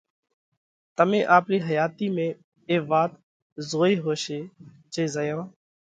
تمي آپرِي حياتِي ۾ اي وات زوئي ھوشي جي زئيون